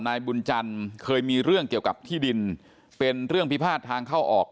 นายบุญจันทร์เคยมีเรื่องเกี่ยวกับที่ดินเป็นเรื่องพิพาททางเข้าออก